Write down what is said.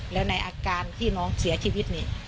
แล้วในอาการที่น้องเสียชีวิตนี่